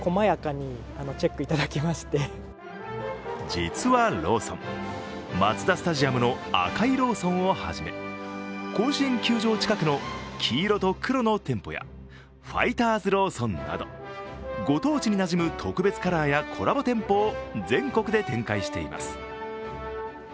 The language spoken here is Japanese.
実はローソン、マツダスタジアムの赤いローソンをはじめ、甲子園球場近くの黄色と黒の店舗やファイターズローソンなど、ご当地になじむ特別カラーやコラボ店舗を全国で展開しています。